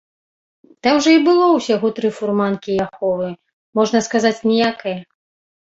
Там жа і было ўсяго тры фурманкі, і аховы, можна сказаць, ніякае.